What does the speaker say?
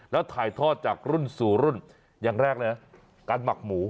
แล้วถ่ายทอดจากรุ่นสู่รุ่นอย่างแรกเลยนะการหมักหมู